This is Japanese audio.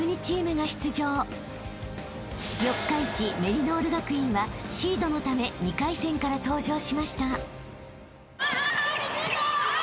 ［四日市メリノール学院はシードのため２回戦から登場しました］